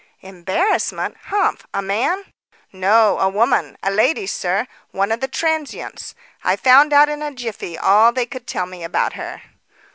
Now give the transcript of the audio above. "Embarrassment? Humph! a man?" "No, a woman; a lady, sir; one of the transients. I found out in a jiffy all they could tell me about her."